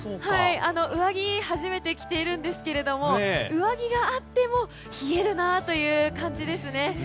上着を初めて着ているんですが上着があっても冷えるなという感じですね。